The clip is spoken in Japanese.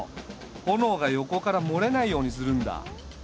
炎が横から漏れないようにするんだ。